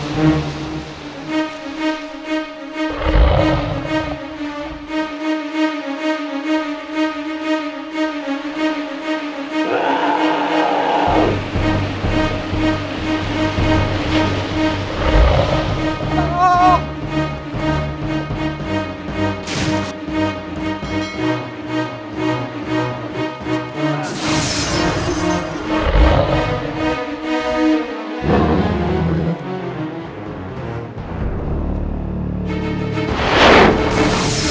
sembara mohon bu